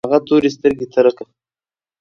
هغه تورې سترګې ترکه